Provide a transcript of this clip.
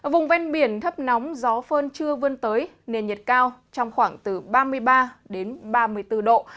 vùng ven biển thấp nóng gió phơn chưa vươn tới nền nhiệt cao trong khoảng từ ba mươi ba đến ba mươi bốn độ